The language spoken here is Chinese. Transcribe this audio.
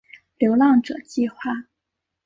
流浪者计画